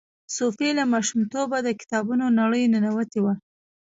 صوفي له ماشومتوبه د کتابونو نړۍ ننوتې وه.